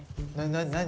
何？